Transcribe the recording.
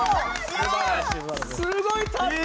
すごい！立った！